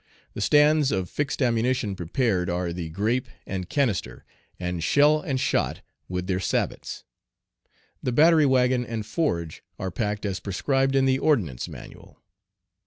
The stands of fixed ammunition prepared are the grape and canister, and shell and shot, with their sabots. The battery wagon and forge are packed as prescribed in the "Ordnance Manual."